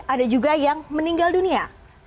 ada juga yang meninggal dunia